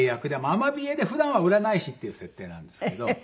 アマビエで普段は占い師っていう設定なんですけど。